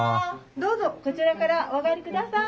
どうぞこちらからお上がりください。